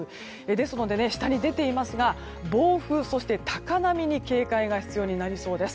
ですので下に出ていますが暴風、そして高波に警戒が必要になりそうです。